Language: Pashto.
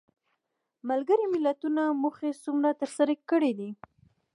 ملګرو ملتونو موخې څومره تر سره کړې دي؟